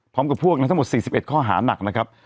พร้อมกับพวกทั้งหมด๔๑ข้อหาหนักนะครับ